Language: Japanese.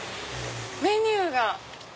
メニューが。